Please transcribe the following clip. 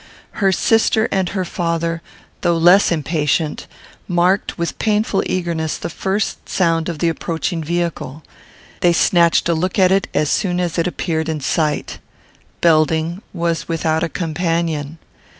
Her sister and her father, though less impatient, marked, with painful eagerness, the first sound of the approaching vehicle. They snatched a look at it as soon as it appeared in sight. Belding was without a companion.